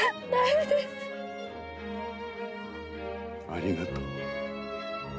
ありがとう。